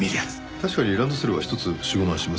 確かにランドセルは１つ４５万はします。